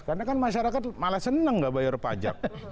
karena kan masyarakat malah senang tidak membayar pajak